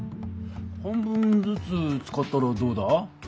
半分ずつ使ったらどうだ？